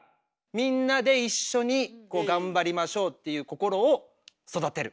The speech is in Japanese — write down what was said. みんなで一緒にこう頑張りましょうっていう心を育てる。